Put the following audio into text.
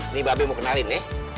ini babi mau kenalin